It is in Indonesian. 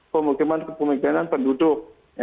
pemukiman kemungkinan penduduk